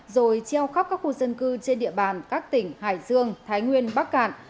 rồi treo khắp các khu dân cư trên địa bàn các tỉnh hải dương thái nguyên bắc cạn